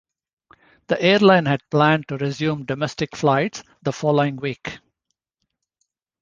The airline had planned to resume domestic flights the following week.